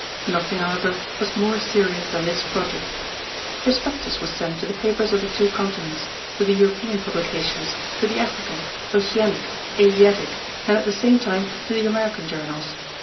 Nothing, however, was more serious than this project. A prospectus was sent to the papers of the two continents, to the European publications, to the African, Oceanic, Asiatic, and at the same time to the American journals.